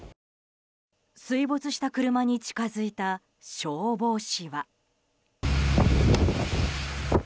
水没した車に近づいた消防士は。